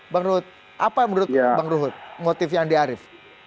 bang rohut apa menurut bang rohut motifnya andi arief